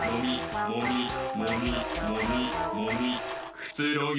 くつろぎ